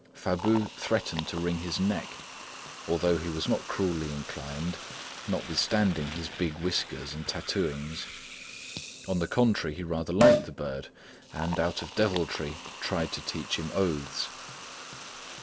Fabu threatened to wring his neck, although he was not cruelly inclined, notwithstanding his big whiskers and tattooings. On the contrary, he rather liked the bird and, out of deviltry, tried to teach him oaths.